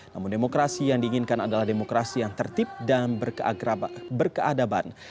namun demokrasi yang diinginkan adalah demokrasi yang tertib dan berkeadaban